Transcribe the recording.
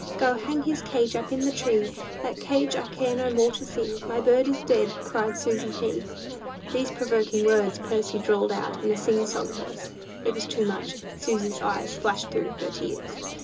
Go hang his cage up in the tree, That cage I care no more to see. My bird is dead, cried Susy P." These provoking words Percy drawled out in a sing song voice. It was too much. Susy's eyes flashed through her tears.